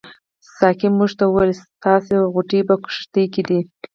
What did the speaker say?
ساقي موږ ته وویل ستاسې غوټې په کښتۍ کې دي.